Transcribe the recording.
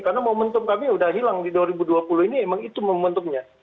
karena momentum kami sudah hilang di dua ribu dua puluh ini memang itu momentumnya